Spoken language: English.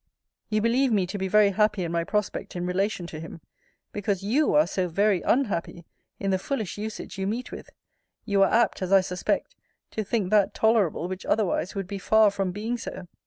You believe me to be very happy in my prospect in relation to him: because you are so very unhappy in the foolish usage you meet with, you are apt (as I suspect) to think that tolerable which otherwise would be far from being so.